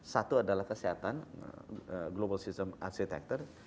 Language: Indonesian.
satu adalah kesehatan global system arsitektur